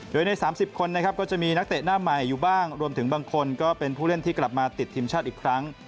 โดยใน๓๐คนนะครับก็จะมีนักเตะหน้าใหม่อยู่บ้างรวมถึงบางคนก็เป็นผู้เล่นที่กลับมาติดทีมชาติอีกครั้ง